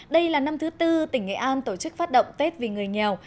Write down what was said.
đây là năm thứ tư tỉnh nghệ an tổ chức phát động tết vì người nghèo